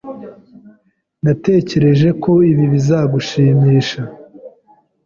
Natekereje ko ibi bizagushimisha.